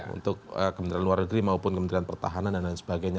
untuk kementerian luar negeri maupun kementerian pertahanan dan lain sebagainya